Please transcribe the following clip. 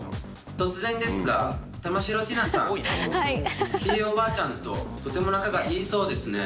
突然ですが、玉城ティナさん、ひいおばあちゃんととても仲がいいそうですね。